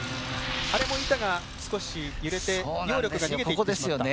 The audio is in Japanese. あれも板が少し揺れて揚力が逃げていってしまった。